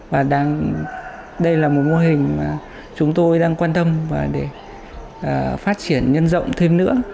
và đây là một mô hình mà chúng tôi đang quan tâm và để phát triển nhân rộng thêm nữa